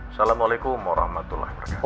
assalamualaikum warahmatullahi wabarakatuh